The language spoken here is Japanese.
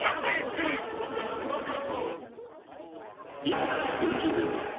［今から４０年前。